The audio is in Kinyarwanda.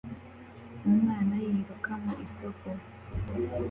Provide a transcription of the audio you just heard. Umwana yiruka mu isoko